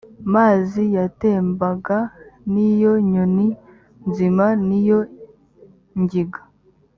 mazi yatembaga n iyo nyoni nzima n iyo ngiga